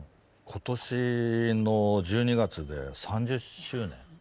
今年の１２月で３０周年。